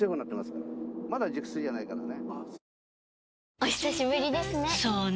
お久しぶりですね。